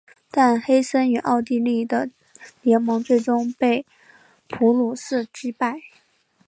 但黑森与奥地利的联盟最终被普鲁士击败。